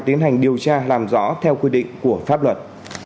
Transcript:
tiến hành điều tra làm rõ theo quy định của pháp luật